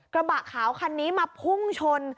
กระบะขาวคันนี้มาพุ่งชน